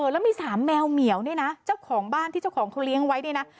แล้วมีสามแมวเหมียวเนี่ยนะเจ้าของบ้านที่เจ้าของเขาเลี้ยงไว้เนี่ยนะ